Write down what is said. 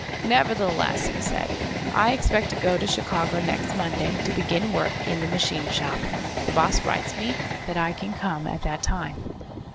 "Nevertheless," he said, "I expect to go to Chicago next Monday, to begin work in the machine shop. The boss writes me that I can come at that time."